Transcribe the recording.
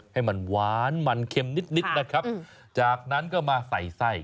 ให้มันหวานมันเค็มนิดนะครับจากนั้นก็มาใส่ไส้